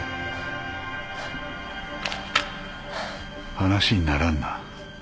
話にならんな。